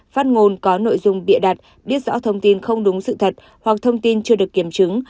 phát ngôn có nội dung bịa đặt biết rõ thông tin không đúng sự thật hoặc thông tin chưa được kiểm chứng